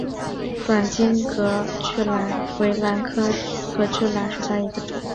短茎隔距兰为兰科隔距兰属下的一个种。